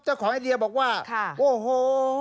เจ้าของไอเดียบอกว่าโอ้โห